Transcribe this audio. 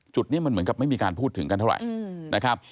จุดนี้มันเหมือนกับไม่มีการพูดถึงกันเท่าไหร่นะครับ